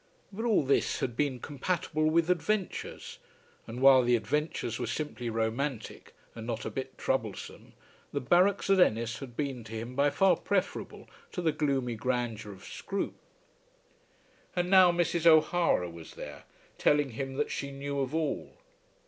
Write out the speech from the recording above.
But all this had been compatible with adventures, and while the adventures were simply romantic and not a bit troublesome, the barracks at Ennis had been to him by far preferable to the gloomy grandeur of Scroope. And now Mrs. O'Hara was there, telling him that she knew of all!